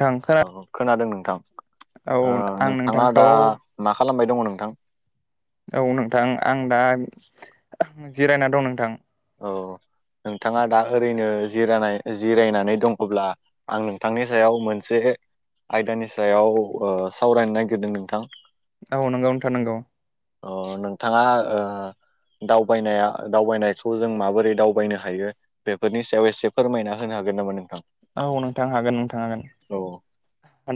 थां खोना औ खोनादों नोंथां औ आं नोंथाङा नोंथांखौ दा मा? खालामबाय दङ नोंथां औ नोंथां आं दा जिरायना दं नोंथां औ नोंथाङा दा ओरैनो जिरायनाय जिरायनानै दङब्ला आं नोंथांनि सायाव मोनसे आयदानि सायाव ओ सावरायनो नागिरदों नोंथां औ नंगौ नोंथां नंगौ अ नोंथाङा ओ दावबायनाया दावबायनायखौ जों माबोरै दावबायनो हायो बेफोरनि सायाव एसे फोरमायना होनो हाग हागोन नामा नोंथां? औ नोंथां हागोन नोंथां हागोन औ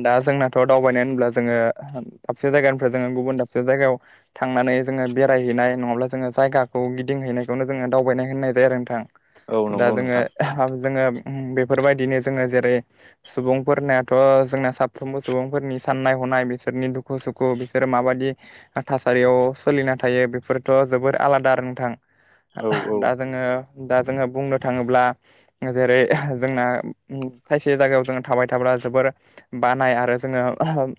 दा जोंनाथ' दावबायनाय होन्ला जोङो दाबसे जायगानिफ्राय जोङो गुबुन दाबसे जायगायाव थांनानै नै जोङो बेरायह हैैनाय नङाब्ला जोङो जायाखौ गिदिंह हैनायखौनो जोङो दावबायनाय होननाय जायो आरो नोंथां औ दा नंगौ जोङो नोंथां जोङो बेफोरबायदिनो जोङो जेरै सुबुंफोरना थ जोंना साफ्रोमबो सुबुंफोरनि साननाय हनाय बिसोरनि दुखु सुखु बिसोरो माबायदि थास रियाव सोलिना थायो बेफोरथ' जोबोर आलादा नोंथां औ आ दा जोङो दा जोङो बुंनो थाङोब्ला जेरै जोंना खायसे जायगायाव जोङो थाबाय थाब्ला जोबोर बानाय आरो जोङो ओम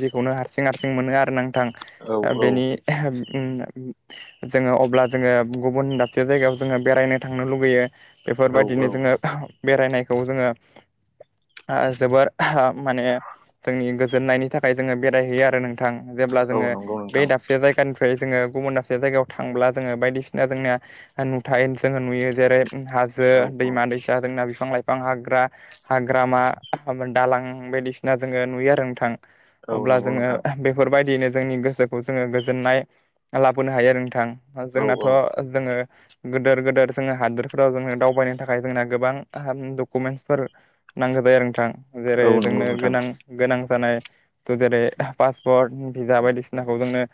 बेखौनो हारसिं हारसिं मोनो आरो नोंथां औ बेनि जोङो अब्ला जोङो गुबुन दाबसे जायगायाव जोङो बेरायनो थांनो लुुबैयो औ औ बेफोरबायदिनो जोङो बेरायनायखौ जोङो ओ जोबोर माने जोंनि गोजोननायनि थाखाय जोङो बेरायहैयो आरो नों थां जेब्ला औ जोङो नंगौ बे नोंथां दाबसे जायगानि फ्राय जोङो गुबुन दाबसे जायगायाव थांब्ला जोङो बायदिसिना जोंना नुथाय जोङो नुयो जेरै हाजो औ औ दैमा दैसा रोंना बिफां लाइफां हाग्रा हाग्रामा दालां बायदिसिना जोङो नुयो आरो नोंथां औ अब्ला नंगौ जोङो नोंथां ओ बेफोरबायदिनो जोंनि गोसोखौ जोङो गोजोननाय लाबोनो हायो आरो नोंथां औ जोंनाथ' औ जोङो गोदोर गोदोर जोङो हादोरफोराव जोङो दावबायनो थाखाय जोंना गोबां डकुमेन्टसफोर नांगौ जायो आरो नोंथां जेरै औ नंगौ जोंनो नोंथां गोनां गोनां जानाय थ जेरै पासपर्ट भिसा बायदिसिनाखौ जोंनो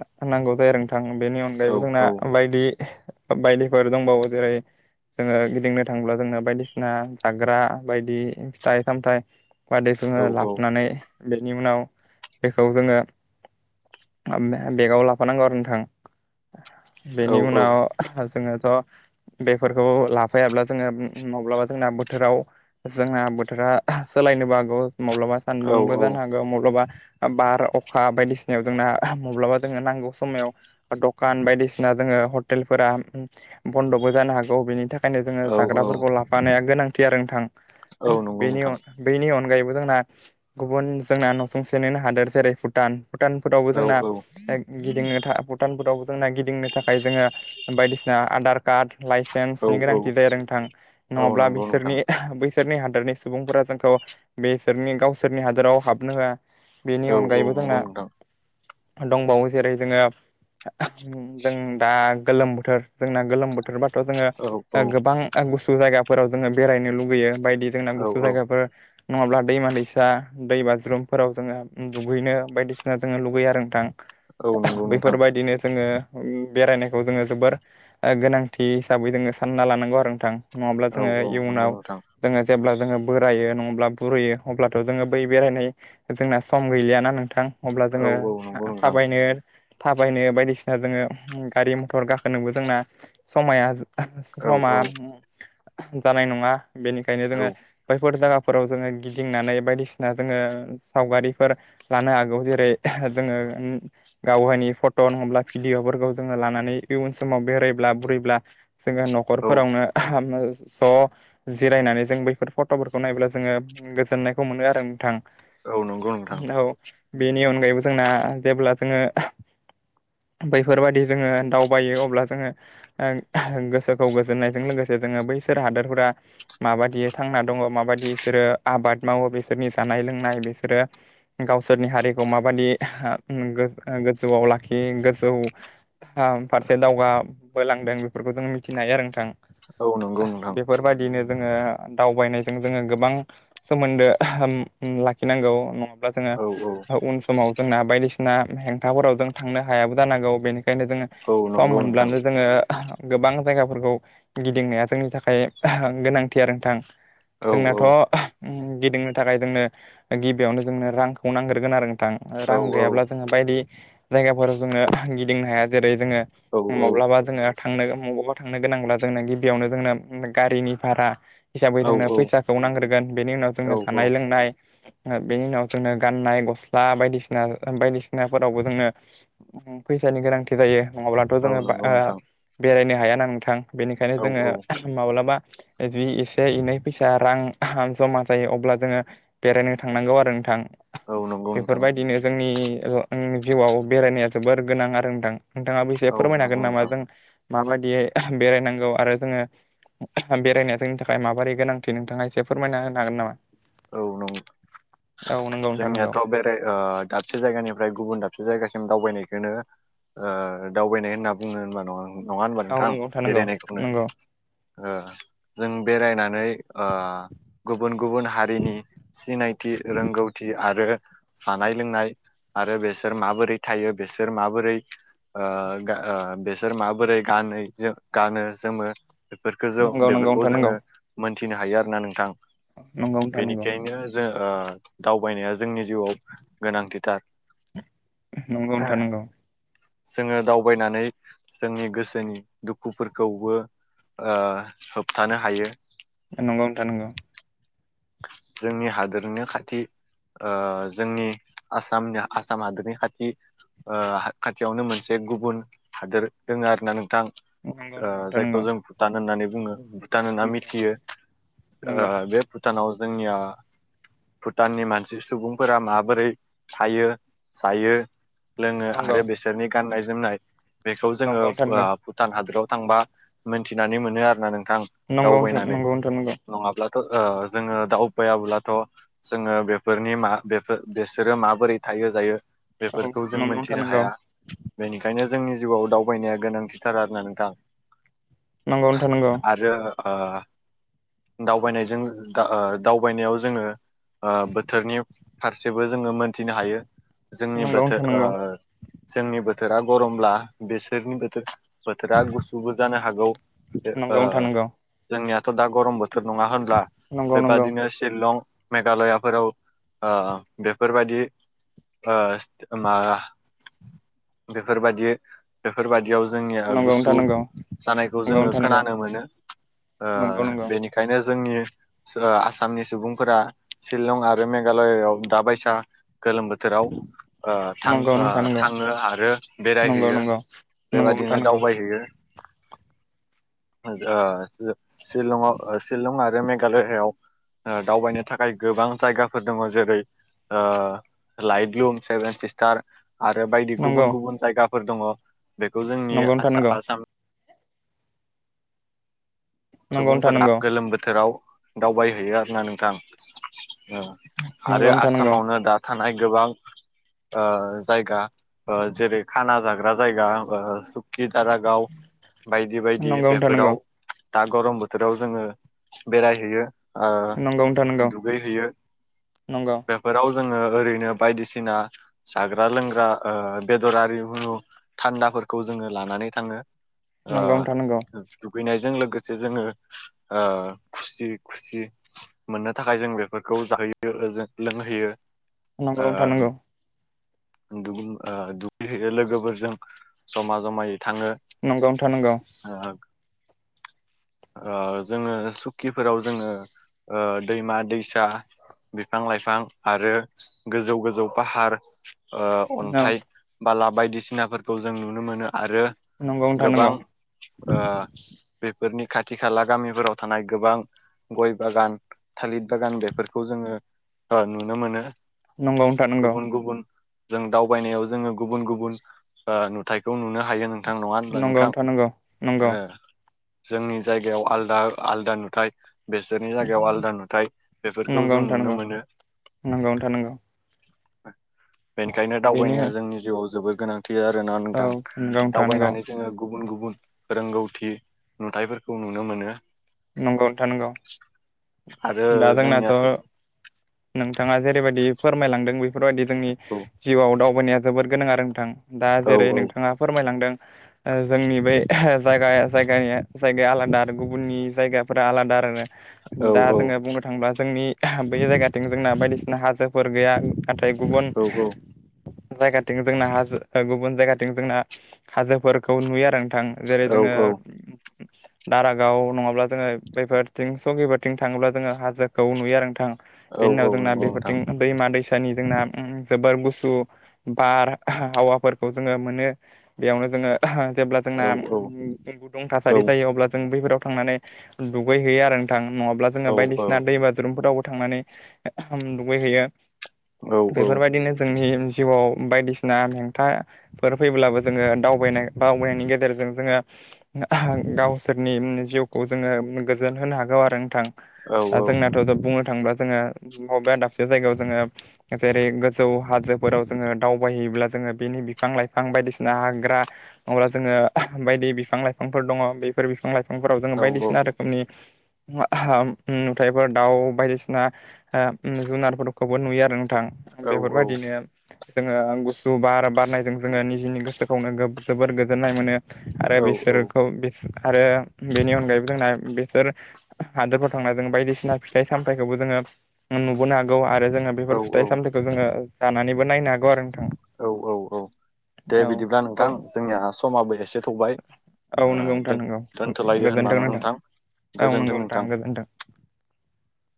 नां नांगौ जायो आरो बेनि अनगायैबो औ जोंना औ बायदि बायदिफोर दंबावो जेरै जोङो गिदिंनो थांब्ला जोङो बायदिसिना जाग्रा बायदि फिथाइ सामथायाइ बादै औ जोङो लाफानै बेनि उनाव बेखौ जोङो बे बेगाव लाफानांगौ आरो नोंथां औ बेनि औ उनाव जोङोथ' बेफोरखौ लाफैायाब्ला जोङो माब्लाबा जोंना बोथोराव जोंना बो थोरा सोलायनोबो हागौ माब्लाबा औ सान्दुंबो जानो हागौ माब्लाबा बार अखा बायदिसिनायाव जोंना माब्लाबा जोंङो नांगौ समाव दखान बायदिसिना जों ओ हटेलफोरा बन्द'बो जानो हागौ बेनि था खायनो जोङो औ औ जाग्राफोरखौ लाफानाया गोनांथि आरो नोंथां औ नंगौ बेनि नोंथां बेनि अनगायैबो जोंना गुबुन जोंना न'सेेंनो हादोर जेरै भुटान भुटानफोरावबो औ जोंना औ गिदिंनो थाखाय भुटानफोराव जोंना गिदिंनो थाखाय जोङो बायदिसिना आधार कार्ड औ लाइसेन्सनि औ गोनांथि जाया नोंथां औ नङाब्ला नंगौ नोंथां बिसोरनि बैसोरनि हा हादोरनि सुबुंफोरा जोंखौ बिसोरनि गावसोरनि हादोराव हाबनो होआ बेनि औ औ अनगायैबो नंगौ जोंना नोंथां दंबावो जेरै जोङो जों दा गोलोम बोथोर जोंना गोलोम बो बोथोर बाथ' जोङो औ गोबां गुसु जायगाफोराव जोङो बेरायनो लुुबैयो बायदि जोंना औ गुसु जायगाफोर नङाब्ला दैमा दैसा दै बाज्रुमफोराव जोङो दुगैनो बायदिसिना जोङो लुगै आरो नोंथां औ नंगौ नोंथां बेफोरबायदिनो जोङो बेरायनायखौ जोङो जोबोर ओ गोनांथि हिसाबै जोङो सानना लानांगौ आरो नोंथां नङाब्ला औ जोङो औ नंगौ इयुनाव नोंथां जोङो जेब्ला जोङो बोरायो नङाब्ला बुरैयो अब्लाथ' जोङो बै बेरायनाय जोंना सम गैलियाना नोंथां अब्ला औ जोङो औ नंगौ नोंथां थाबायनो थाबायनो बायदिसिना जोङो गारि मथर गाखोनोबो जोंना समाया औ समा औ जानाय नङा बेनिखायनो जोङो बैफोर जायगा फोराव जोङो गिदिंनानै बायदिसिना जोङो सावगारिफोर लानो हागौ जेरै जोङो गावहायनि फट' नङाब्लाभिडिअफोरखौ जोङो लानानै इयन समाव बेरायब्ला बुरैब्ला जोङो औ न'खरफोरावनो ज' जिरायनानै जों बैफोर फट'फोरखौ नायब्ला जोङो गोजोननायखौ मोनो आरो नोंथां औ नंगौ नोंथां औ बेनि अनगायैबो जोंना जेब्ला जोङो [inaudible] बैफोरबायाददि जोङो दावबायो अब्ला जोङो गोसोखौ गोजोननायजों लोगोसे जोङो बै बिसोर हादोरफोरा माबा थांना दङ माबाददि बिसोरो आबाद मावो बिसोरनि जानाय लोंनाय बिसोरो गावसोरनि हारिखौ माबादि गोजौआव लाखि गोजौ फारसे दावगाबोलांदों बेफोरखौ जों मिथिनो हायो आरो नोंथां। औ नंगौ नोंथां बेफोरबायदिनो जोङो दावबायनायजों जोङो गोबां सोमोन्दो लाखिनांगौ। औ औ जोङो उन समाव जोंना बायदिसिना हेंथाफोराव जों थांनो हायाबो जानांगौ बेनि ओखायनो जोङो औ सम नंगौ नोंथां मोनब्लानो जोङो गोबां जायगाफोरखौ गिदिंनाया जोंनि थाखाय गोनांथि आरो नोंथां। औ औ जोंनाथ' गिदिंनो थाखाय जोंनो गिबियावनो जोंनो रांखौ नांग्रोगोन आरो। रां औ गैयाब्ला जोङो बायदि जायगाफोराव जोंो गिदिंनो हाया जेरै जोङो औ औ माब्लाबा जोङो थांनो बबावबा थांनो गोनांब्ला जोंनो गिबियावनो जोंनो गारिनि भारा हिसाबै औ जोंनो फैसाखौ नांग्रोगोन बेनि उनाव औ जोंनो जानाय लोंनाय बेनि उनाव जोंनो गाननाय गस्ला बायदिसिना बायदिसिनाफोरावबो जोंङो फै फैसानि गोनांथि जायो। नङाब्लाथ' औ जोङो नंगौ नोंथां बेरायनो हायााना नोंथां बेनिखायनो औ जोङो औ माब्लाबा ए बे [unintelligible] जे एनै फैसा रां जमा जायो अब्ला जोङो बेरायनो थांनांगौ आरो नोंथां। औ नंगौ नोंथां औ बेफोरबायदिनो जोंनि जिउआव बेरायनाया जोबोर गोनां आरो ओनदो आं नोंथाङाबो एसे फोरमायनो हागोन नंगौ नामा नोंथां जों माबायदियै बेरायनांगौ आरो जोङो बेरायनाया जोंनि थाखाय ताइमा बोरै गोनांथि नोंथाङा एसे फोरमायना होनो हागोन नामा? औ नंगौ औ नंगौ नोंथां नंगौ जोंनियाथ' बेराय ओ दाबसे जायगानिफ्राय गुबुन दाबसे जायगा दावबायनायखौनो ओ दावबायनाय होनना बुङो होनबा नङा नङा होनबा औ नोंथां नंगौ नंगौ बेरायनायखौनो नंगौ ओ जों बेरायनानै ओ गुबुन गुबुन हारिनि सिनायथि रोंगौथि आरो जानाय लोंनाय आरो बेसोर माबोरै थायो बेसोर माबोरै ओ बेसोर माबोरै गानो गानो जोमो बेफोरखौ जों नंगौ नंगौ नोंथां बेफोरखौ नंगौ जोङो मोनथिनो हायो आरो ना नोंथां। नंगौ बेनिखायनो ओ जों ओ दावबायनाया जोंनि जिउआव गोनांथिथार। नंगौ नोंथां नंगौ। जोङो दावबायनानै जोंनि गोसोनि दुखुफोरखौबो ओ होबथानो हायो। नंगौ नोंथां नंगौ जोंनि हादोरनि खाथि ओ जोंनि आसामनि आसाम हादोरनि खाथि ओ खाथियावनो मोनसे गुबुन हादोर दोङो आरोना नोंथां। नंगौ ओ नंगौ नोंथां जायखौ नंगौ जों भुटान होननानै बुङो भुटान होनना मिथियो ओ नंगौ बे भुटानाव जोंनिया भुटाननि मानसि सुबुंफोरा माबोरै थायो जायो। लोङो नंगौ आरो बिसोरनि गाननाय जोमनाय बेखौ जोङो नंगौ नोंथां नंगौ भुटान हादोराव थांबा मोनथिनानै मोनो आरोना नोंथां नंगौ नोंथां दावबायनानै नंगौ नोंथां नंगौ नङाब्ला ओ जोङो दावबायाब्लाथ' जोङो बेफोरनि माफोर बेसोरो माबोरै थायो जायो? औ बेफोरखौ जों नंगौ नोंथां मोनथिनो नंगौ हाया बेनिखायनो जोंनि जिउआव दावबायनाया गोनांथिथार आरोना नोंथां। नंगौ नोंथां नंगौ आरो ओ दावबायनायजों दावबायनायाव जोङो ओ बोथोरनि फारसेबो जोङो मोनथिनो हायो। जोंनि बोथोर नोंथां नंगौ जोंनि बोथोरा गरमब्ला बिसोरनि बोथोर बोथोरा गुसुबो जानो हागौ ओ नंगौ नोंथां नंगौ जोंनियाथ' दा गरम बो थोर नङा होनब्ला? नंगौ नोंथां बेबादिनो शिलं मेघालयाफोराव ओ बेफोरबायदि मा बेफोरबादि बेफोरबादियाव जोंनि गुसु नंगौ जानायखौ नंगौ जोङो खोनानो मोनो। ओ नंगौ नंगौ नोंथां नंगौ बेनिखायनो जोंनि आसामनि सुबुंफोरा शिलं आरो मेघालयायाव दा बायसा गोलोम बोथोराव ओ थां नोंथां नंगौ थाङो आरो नंगौ नंगौ बेरायहैयो। नोंथां नंगौ बेबायदिनो दावबायहैयो। सिलंआव शिलं आरो मेघालआव ओ दावबायनो थाखाय गोबां जायगाफोर दङ जेरै ओ लाइट ब्लुम सेभेन सिसटार आरो बायदि नंगौ गुबुन गुबुन जायगाफोर दङ बेखौ जोंनि नंगौ आसाम नंगौ नोंथां सुबुंफोरा नंगौ गोलोम बोथोराव दावबायहैयो आरो ना नोंथां। ओ आरो आसामावनो दा थानाय गोबां ओ जायगा जेरै खाना जाग्रा जायगा सुकि दारागाव बायदि बायदि नंगौ नंगौ नोंथां बेफोराव नंगौ दा गरम बोथोराव जोङो बेरायहैयो। ओ नंगौ नोंथां नंगौ दुगैहैयो नंगौ बेफोराव जोङो ओरैनो बायदिसिना जाग्रा लोंग्रा ओ बेदरारि थानदा फोर जोङो लानानै थाङो नोंथां नंगौ दुगैनायजों लोगोसे जोङो ओ खुसि खुसि मोननो थाखाय जों बेफोरखौ जाहोयो जों लोंहोयो। नंगौ ओ नोंथां नांगौ दुगैहैयो लोगोफोरजों जमा जमायै थाङो नंगौ नोंथां नंगौ ओ जोङो सुकिफोराव जोङो दैमा दैसा बिफां लाइफां आरो गोजौ गोजौ पाहार अन्थाइ बाला बायदिसिनाफोरखौ जों नुनो मोनो। आरो नंगौ नोंथां गोबां नंगौ ओ बेफोरनि खाथि खाला गामिफोराव थानाय गोबां गय बागान थालिर बागान बेफोरखौ जोङो नुनो मोनो। नंगौ नोंथां नंगौ गुबुन गुबुन जों दावबायनायाव जोङो गुबुन गुबुन नुथायखौ नुनो हायो नों नोंथां नङा होनब्ला नंगौ नोंथां? नंगौ नंगौ जोंनि जायगायाव आलदा आलदा नुथाय बेसोरनि जायगायाव आलदा नुथायाइ बेफोरखौ नंगौ जों नोंथां नुनो नंगौ मोनो। नंगौ नोंथां नंगौ बेनिखायनो बेनि दावबायनाया औ जोंनि जिउआव जोबोद गोनां। थि आरो ना नंगौ नोंथां नंगौ नुथायाइफोरखौ नुनो मोनो। नंगौ नोंथां नंगौ आरो दा जोंनिया जोंनाथ' नोंथाङा जेरैबायदि फोरमायलांदों बेफोरबायदि जोंनि जिउआव दावबायनाया जोबोर गोनां आरो नोंथां। दा औ जेरै नोंथाङा फोरमायलांदों जोंनि बै जायगाया जायगानि जायगाया आलादा आरो गुबुननि जायगाफोरा आलादा आरो। औ दा जोङो बुंनो थाङोब्ला जोंनि बै जायगाथिं जोंना बायदिसिना हाजोफोर गैया नथाय गुबुन औ जायगाथिं जोंना हाजो गुबुन जायगाथिं जोंना हाजोफोरखौ नुयो आरो थां जेरै औ जोङो औ दारागाव नङाब्ला जोङो बेफोरथिं संकिफोरथिं थाङोब्ला जोङो हाजोखौ नुयो आरो नोंथां बेनि उनाव जोंना नंगौ बेफोरथिं नोंथां दैमा दै फसानि जोंना जोबोर गुसु बार हावाफोरखौ जोङो मोनो बेयावनो जोङो जेब्ला जोंना औ औ गुदुं औ थासारि जायो अब्ला जों बैफोराव थांनानै दुगै हैैयो आरो थां नङाब्ला जोङो औ औ बायदिसिना दै बाजुरुमफोरावबो थांनानै दुगैहैयो औ औ बेफोरबायदिनो जोंनि जिउआव बायदिसिना हेंथाफोर फैब्लाबो जोङो दावबायनाय बावबायनायनि गेजेरजों जोङो गावसोरनि जिउखौ जोङो गोजोन होनो हागौ आरो नोंथां औ द जोंनााथ' बुंनो थांब जोङो बबे दाबसे जायगायाव जोङो जेरै गोजौ हाजोफोराव जोङो दावबायोब्ला जो बेनि बिफां लाइफां बायदिसिना हाग्रा अङब्ला जोङो बायदि बिफां लाइफांफोर दङ बेफोर बिफां लाइफांफोराव जोङो बायदिसिना रोखोमनि नुथायफोर दाउ बायदिसिना ना जुनारफोरखौबो नुयो आरो नोंथां बेफोरबायदिनो जोङो गुसु बार बारनायजों जोङो निजिनि गोसोखौनो जोबोर गोजोननाय मोनो आरो बिसोरखौ आरो बेनि अनगायैबो जोंना बेसोर हादोरफोराव थांना जों बायदिसिना फिथाइ सामथाइ फिथाइखौबो जोङो नुबोनो हागौ आरो जोङो बेफोर फिथाइ औ सामथायाइखौ जोङो जानानैबो नायनो हागौ आरो नोंथां औ औ औ दे औ बिदिब्ला नोंथां जोंनिया समाबो एसे थौबाय औ ओ नंगौ नोंथां दोन नंगौ दोनथ'लायदो होनबा गोजोनथों न' नोंथां औ नंगौ नोंथां गोजोनथों [unintelligible]